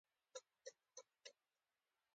اعتماد او صداقت د شخصیت تر ټولو مهمې ځانګړتیاوې دي.